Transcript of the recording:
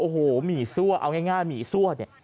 โอ้โหหมี่ซั่วเอาง่ายหมี่ซั่วเนี่ย